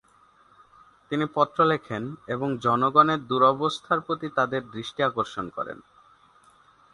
তিনি পত্র লেখেন এবং জনগনের দুরবস্থার প্রতি তাদের দৃষ্টি আকর্ষণ করেন।